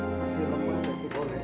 masih rempah sedikit boleh